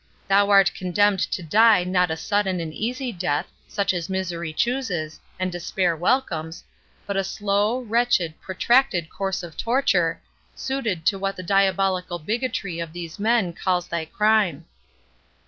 Thou art condemned to die not a sudden and easy death, such as misery chooses, and despair welcomes, but a slow, wretched, protracted course of torture, suited to what the diabolical bigotry of these men calls thy crime."